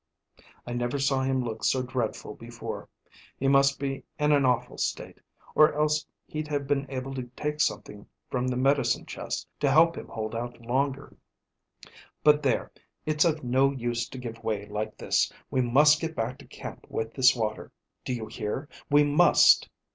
I never saw him look so dreadful before. He must be in an awful state, or else he'd have been able to take something from the medicine chest to help him hold out longer. But there, it's of no use to give way like this. We must get back to camp with this water. Do you hear? We must!"